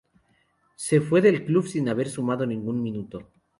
Se fue del club sin haber sumado ningún minuto.